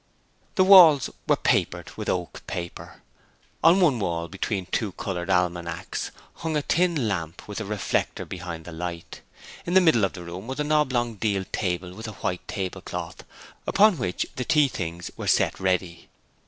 The walls were papered with oak paper. On one wall, between two coloured almanacks, hung a tin lamp with a reflector behind the light. In the middle of the room was an oblong deal table with a white tablecloth upon which the tea things were set ready.